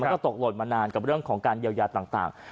ก็ตกหล่นมานานกับเรื่องของการเยียวยาต่าง